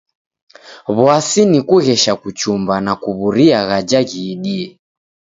W'asi ni kughesha kuchumba na kuw'uria ghaja ghiidie.